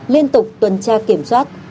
liên tục tuần tra kiểm soát